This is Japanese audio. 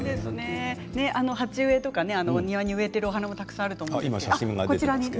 鉢植えとか庭に植えているお花もたくさんあるんだと思うんですけれども。